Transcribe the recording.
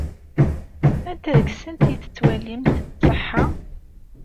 Anta deg-sent ay tettwalimt tṣeḥḥa?